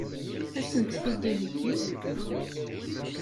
Ad sent-t-id-iheggi?